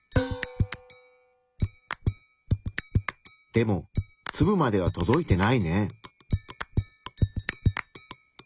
でもツブまでは届いてないね。